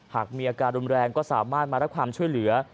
หากมีอาการรุนแรงก็สามารถมารับความช่วยเหลือ